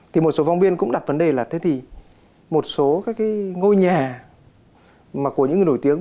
thì một số phóng viên cũng đặt vấn đề là thế thì một số các cái ngôi nhà mà của những người nổi tiếng